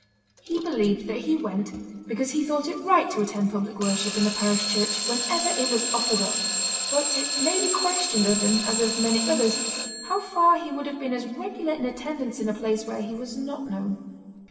He believed that he went because he thought it right to attend public worship in the parish church whenever it was offered up; but it may be questioned of him, as of many others, how far he would have been as regular in attendance in a place where he was not known.